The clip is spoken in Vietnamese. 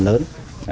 chúng tôi đã tiếp tục